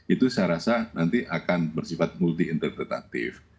itu saya rasa nanti akan bersifat multi interpretatif